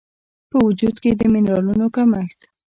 په وجود کې د مېنرالونو کمښت